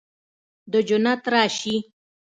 د جنت راشي